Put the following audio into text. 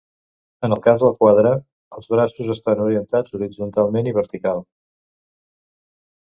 En el cas del quadre, els braços estan orientats horitzontalment i vertical.